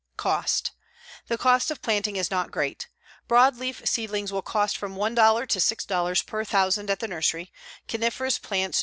COST The cost of planting is not great. Broadleaf seedlings will cost from $1 to $6 per thousand at the nursery, coniferous plants $2.